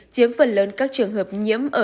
chiếm phần lớn các trường hợp nhiễm